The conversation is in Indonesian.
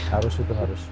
harus itu harus